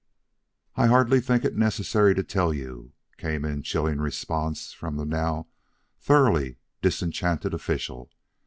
"I hardly think it necessary to tell you," came in chilling response from the now thoroughly disenchanted official.